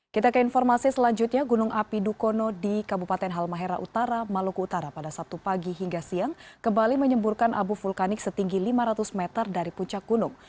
kita ke informasi selanjutnya gunung api dukono di kabupaten halmahera utara maluku utara pada sabtu pagi hingga siang kembali menyemburkan abu vulkanik setinggi lima ratus meter dari puncak gunung